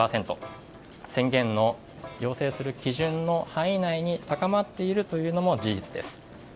宣言を要請する基準の範囲内に高まっているというのも事実です。